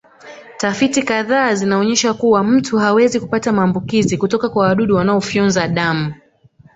Tafiti kadhaa zinaonyesha kuwa mtu hawezi kupata maambukizi kutoka kwa wadudu wanaofyonza damu